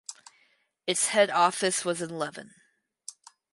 Its head office was in Leven.